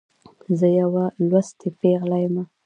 زه یوه لوستې پیغله يمه.